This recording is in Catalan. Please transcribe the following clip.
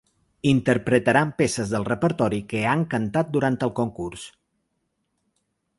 Interpretaran peces del repertori que han cantat durant el concurs.